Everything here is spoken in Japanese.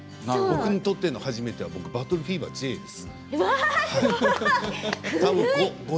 僕にとっても初めては「バトルフィーバーＪ」です。